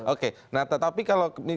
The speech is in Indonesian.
oke tapi kalau